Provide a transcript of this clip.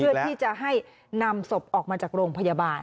เพื่อที่จะให้นำศพออกมาจากโรงพยาบาล